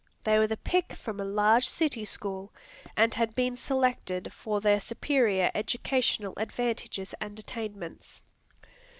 They were the pick from a large city school, and had been selected for their superior educational advantages and attainments.